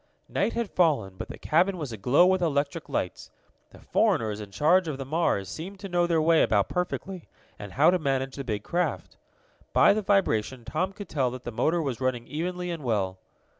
Night had fallen, but the cabin was aglow with electric lights. The foreigners in charge of the Mars seemed to know their way about perfectly, and how to manage the big craft. By the vibration Tom could tell that the motor was running evenly and well.